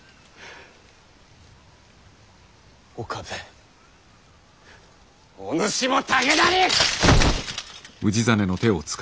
岡部お主も武田に！